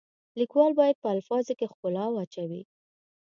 لیکوال باید په الفاظو کې ښکلا واچوي.